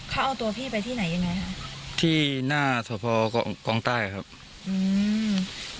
เขาเอาตัวพี่ไปที่ไหนยังไงฮะที่หน้าสะพอกองกองใต้ครับอืม